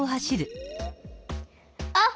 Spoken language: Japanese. あっ！